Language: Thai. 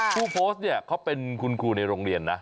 คุณโพสต์เขาเป็นคุณครูในโรงเรียนนะ